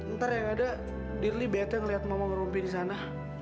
ntar yang ada dirli bete ngeliat mama ngerumpi disana